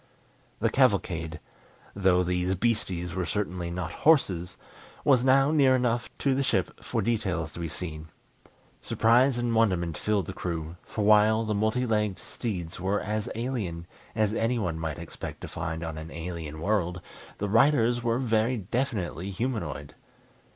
The cavalcade though these beasties were certainly not horses was now near enough to the ship for details to be seen. Surprise and wonderment filled the crew, for while the multi legged steeds were as alien as anyone might expect to find on an alien world, the riders were very definitely humanoid.